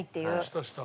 したした。